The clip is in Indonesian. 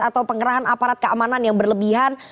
atau pengerahan aparat keamanan yang berlebihan